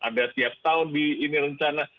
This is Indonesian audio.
ada setiap tahun ini rencana